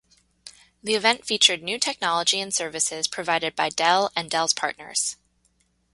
The event featured new technology and services provided by Dell and Dell's partners.